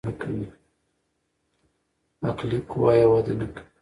عقلي قوه يې وده نکوي.